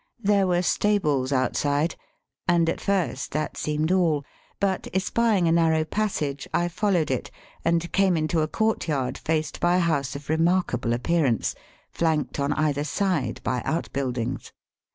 There were stables outside, and at first that seemed all. But espying a narrow passage I followed it, and came into a courtyard faced by a house of remarkable appearance, flanked on either side by outbuildings.